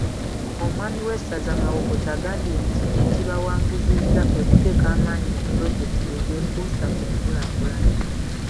Omwami w'essaza Mawokota agambye nti ekibawanguzizza kwe kuteeka amaanyi mu pulojekiti ezeekuusa ku nkulaakulana.